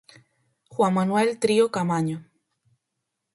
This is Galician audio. Juan Manuel Trío Caamaño.